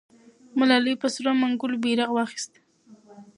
ملالۍ په سرو منګولو بیرغ واخیست.